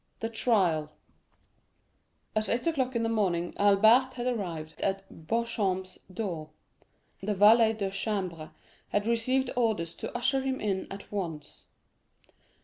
The Trial At eight o'clock in the morning Albert had arrived at Beauchamp's door. The valet de chambre had received orders to usher him in at once.